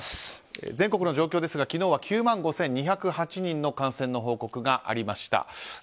全国の状況ですが昨日は９万５２０８人の感染の報告がありました。